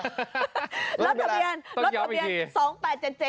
รถทะเบียน๒๘๗๗อ่ะต้องย้ำอีกที